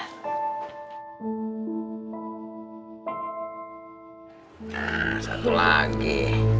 nah satu lagi